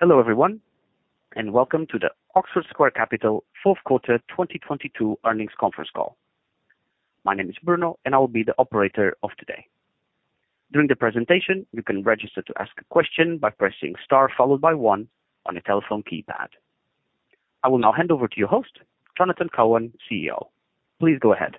Hello, everyone, and welcome to the Oxford Square Capital fourth quarter 2022 earnings conference call. My name is Bruno, and I will be the operator of today. During the presentation, you can register to ask a question by pressing Star followed by 1 on your telephone keypad. I will now hand over to your host, Jonathan Cohen, CEO. Please go ahead.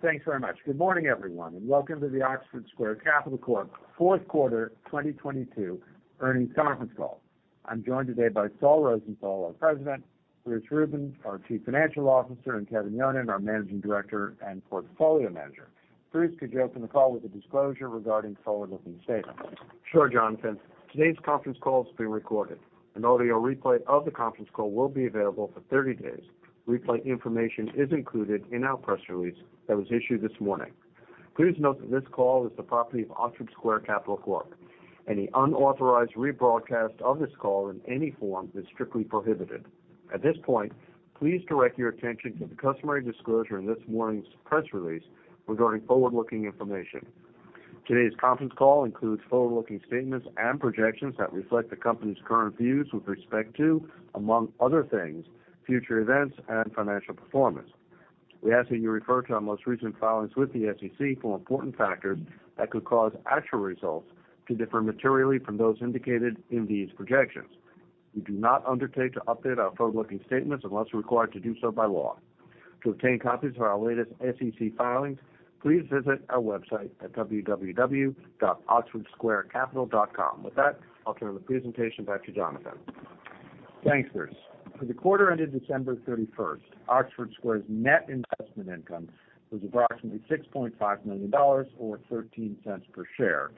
Thanks very much. Good morning, everyone. Welcome to the Oxford Square Capital Corp fourth quarter 2022 earnings conference call. I'm joined today by Saul Rosenthal, our President, Bruce Rubin, our Chief Financial Officer, and Kevin Yonon, our Managing Director and Portfolio Manager. Bruce, could you open the call with a disclosure regarding forward-looking statements? Sure, Jonathan. Today's conference call is being recorded. An audio replay of the conference call will be available for 30 days. Replay information is included in our press release that was issued this morning. Please note that this call is the property of Oxford Square Capital Corp. Any unauthorized rebroadcast of this call in any form is strictly prohibited. At this point, please direct your attention to the customary disclosure in this morning's press release regarding forward-looking information. Today's conference call includes forward-looking statements and projections that reflect the company's current views with respect to, among other things, future events and financial performance. We ask that you refer to our most recent filings with the SEC for important factors that could cause actual results to differ materially from those indicated in these projections. We do not undertake to update our forward-looking statements unless we're required to do so by law. To obtain copies of our latest SEC filings, please visit our website at www.oxfordsquarecapital.com. With that, I'll turn the presentation back to Jonathan. Thanks, Bruce. For the quarter ended December 31st, Oxford Square's net investment income was approximately $6.5 million or $0.13 per share,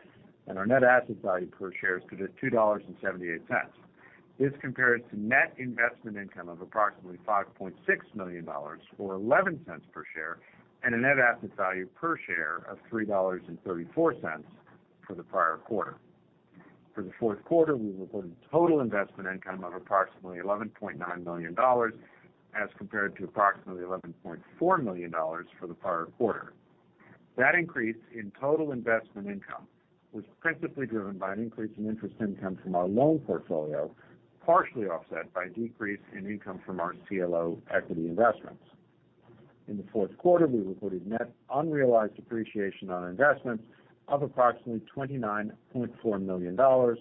and our net asset value per share is $2.78. This compares to net investment income of approximately $5.6 million or $0.11 per share, and a net asset value per share of $3.34 for the prior quarter. For the fourth quarter, we reported total investment income of approximately $11.9 million as compared to approximately $11.4 million for the prior quarter. That increase in total investment income was principally driven by an increase in interest income from our loan portfolio, partially offset by decrease in income from our CLO equity investments. In the fourth quarter, we reported net unrealized appreciation on investments of approximately $29.4 million or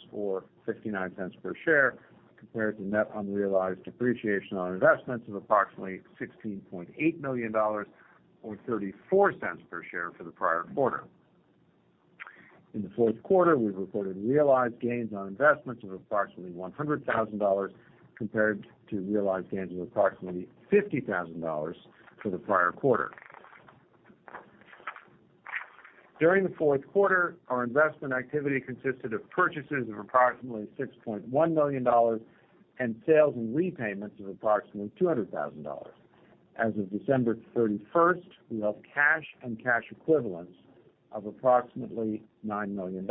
$0.59 per share, compared to net unrealized appreciation on investments of approximately $16.8 million or $0.34 per share for the prior quarter. In the fourth quarter, we reported realized gains on investments of approximately $100,000 compared to realized gains of approximately $50,000 for the prior quarter. During the fourth quarter, our investment activity consisted of purchases of approximately $6.1 million and sales and repayments of approximately $200,000. As of December 31st, we have cash and cash equivalents of approximately $9 million.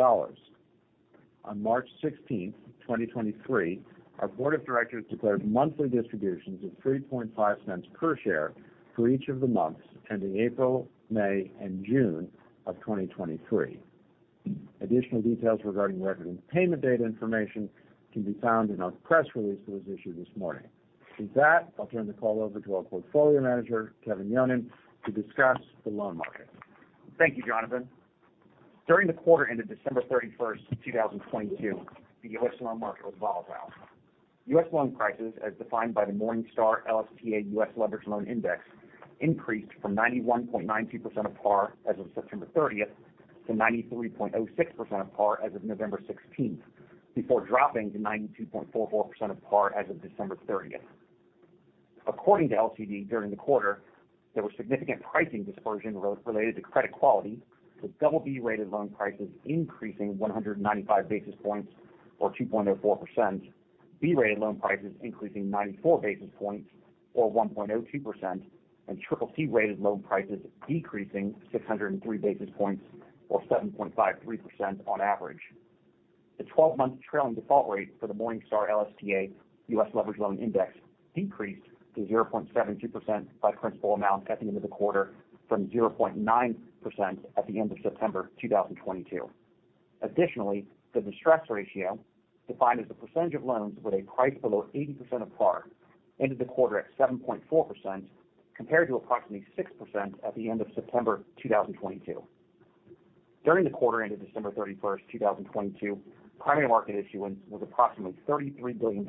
On March 16th, 2023, our board of directors declared monthly distributions of $0.035 per share for each of the months ending April, May, and June of 2023. Additional details regarding record and payment date information can be found in our press release that was issued this morning. With that, I'll turn the call over to our Portfolio Manager, Kevin Yonon, to discuss the loan market. Thank you, Jonathan. During the quarter ended December 31st, 2022, the U.S. loan market was volatile. U.S. loan prices, as defined by the Morningstar LSTA US Leveraged Loan Index, increased from 91.92% of par as of September 30th to 93.06% of par as of November 16th, before dropping to 92.44% of par as of December 30th. According to LCD, during the quarter, there was significant pricing dispersion related to credit quality, with double B-rated loan prices increasing 195 basis points or 2.04%, B-rated loan prices increasing 94 basis points or 1.02%, and triple C-rated loan prices decreasing 603 basis points or 7.53% on average. The 12-month trailing default rate for the Morningstar LSTA US Leveraged Loan Index decreased to 0.72% by principal amount at the end of the quarter from 0.9% at the end of September 2022. The distress ratio, defined as the percentage of loans with a price below 80% of par, ended the quarter at 7.4%, compared to approximately 6% at the end of September 2022. During the quarter ended December 31, 2022, primary market issuance was approximately $33 billion,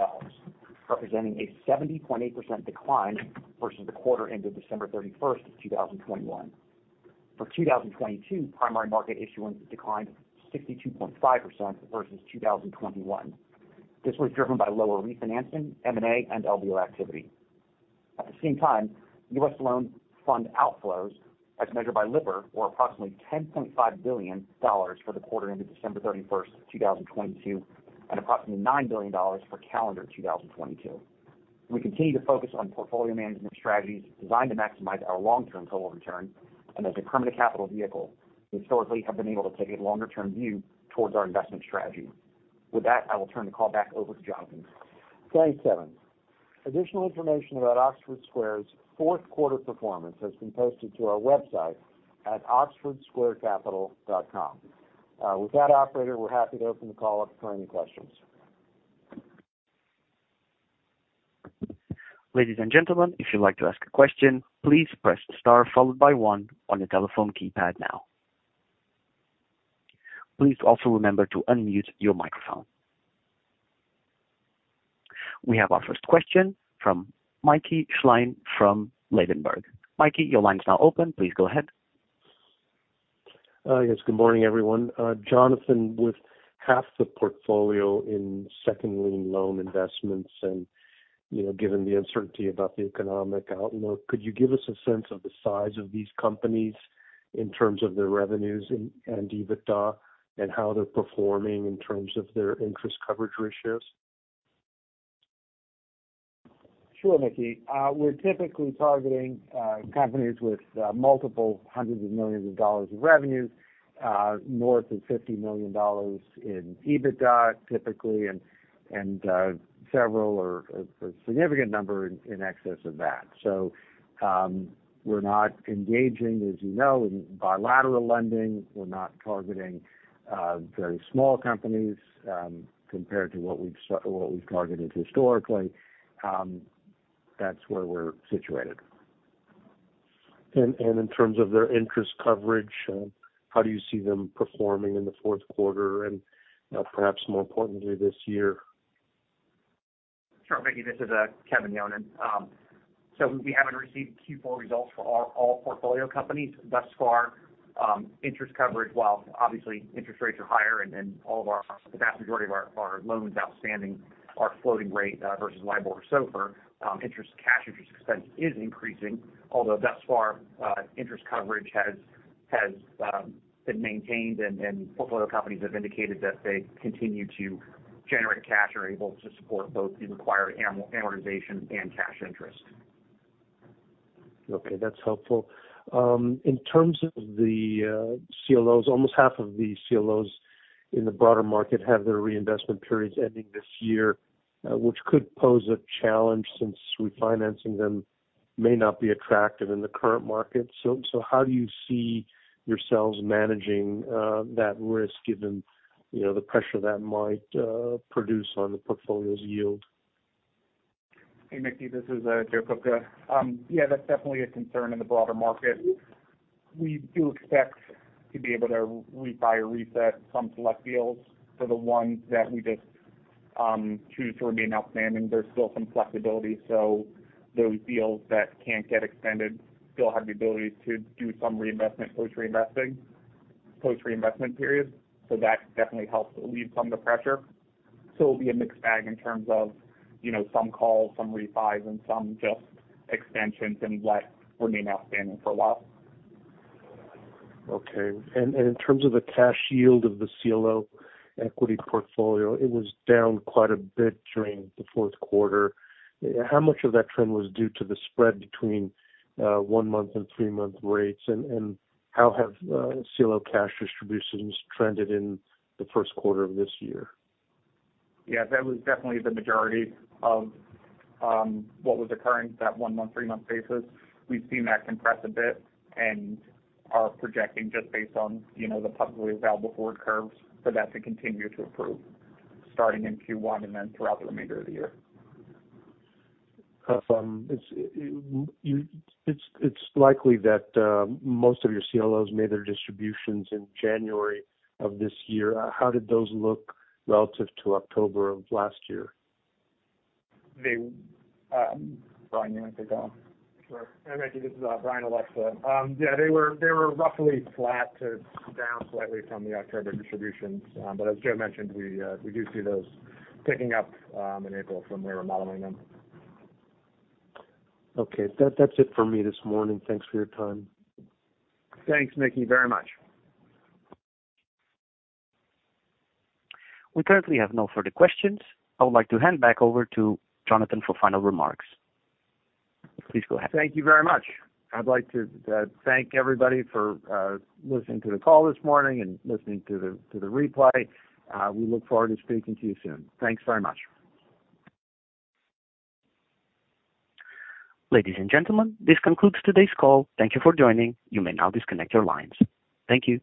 representing a 70.8% decline versus the quarter ended December 31, 2021. For 2022, primary market issuance declined 62.5% versus 2021. This was driven by lower refinancing, M&A, and LBO activity. At the same time, U.S. loan fund outflows, as measured by Lipper, were approximately $10.5 billion for the quarter ended December 31, 2022, and approximately $9 billion for calendar 2022. We continue to focus on portfolio management strategies designed to maximize our long-term total return, and as a permanent capital vehicle, we historically have been able to take a longer-term view towards our investment strategy. With that, I will turn the call back over to Jonathan. Thanks, Kevin. Additional information about Oxford Square's fourth quarter performance has been posted to our website at oxfordsquarecapital.com. With that, operator, we're happy to open the call up for any questions. Ladies and gentlemen, if you'd like to ask a question, please press star followed by one on your telephone keypad now. Please also remember to unmute your microphone. We have our first question from Mickey Schleien from Ladenburg Thalmann. Mickey, your line is now open. Please go ahead. Yes, good morning, everyone. Jonathan, with half the portfolio in second lien loan investments and, you know, given the uncertainty about the economic outlook, could you give us a sense of the size of these companies in terms of their revenues and EBITDA and how they're performing in terms of their interest coverage ratios? Sure, Mickey. We're typically targeting companies with multiple hundreds of millions of dollars of revenue, north of $50 million in EBITDA, typically, and several or a significant number in excess of that. We're not engaging, as you know, in bilateral lending. We're not targeting very small companies compared to what we've targeted historically. That's where we're situated. In terms of their interest coverage, how do you see them performing in the fourth quarter, and, perhaps more importantly, this year? Sure, Mickey. This is Kevin Yonon. We haven't received Q4 results for our all portfolio companies thus far. Interest coverage, while obviously interest rates are higher and the vast majority of our loans outstanding are floating rate, versus LIBOR, SOFR, cash interest expense is increasing. Thus far, interest coverage has been maintained and portfolio companies have indicated that they continue to generate cash or able to support both the required amortization and cash interest. Okay, that's helpful. In terms of the CLOs, almost half of the CLOs in the broader market have their reinvestment periods ending this year, which could pose a challenge since refinancing them may not be attractive in the current market. How do you see yourselves managing that risk given, you know, the pressure that might produce on the portfolio's yield? Hey, Mickey, this is Joe Kupka. Yeah, that's definitely a concern in the broader market. We do expect to be able to refi or reset some select deals for the ones that we just choose to remain outstanding. There's still some flexibility. Those deals that can't get extended still have the ability to do some reinvestment, post reinvesting, post reinvestment periods. That definitely helps alleviate some of the pressure. It'll be a mixed bag in terms of, you know, some calls, some refis, and some just extensions and let remain outstanding for a while. In terms of the cash yield of the CLO equity portfolio, it was down quite a bit during the fourth quarter. How much of that trend was due to the spread between one-month and three-month rates? How have CLO cash distributions trended in the first quarter of this year? That was definitely the majority of what was occurring, that one-month, three-month basis. We've seen that compress a bit and are projecting just based on, you know, the publicly available forward curves for that to continue to improve starting in Q1 and then throughout the remainder of the year. It's likely that most of your CLOs made their distributions in January of this year. How did those look relative to October of last year? They, Brian, you want to take that one? Sure. Hey, Mickey, this is Brian Aleksa. yeah, they were roughly flat to down slightly from the October distributions. As Joe mentioned, we do see those picking up, in April from where we're modeling them. Okay. That's it for me this morning. Thanks for your time. Thanks, Mickey, very much. We currently have no further questions. I would like to hand back over to Jonathan for final remarks. Please go ahead. Thank you very much. I'd like to thank everybody for listening to the call this morning and listening to the replay. We look forward to speaking to you soon. Thanks very much. Ladies and gentlemen, this concludes today's call. Thank you for joining. You may now disconnect your lines. Thank you.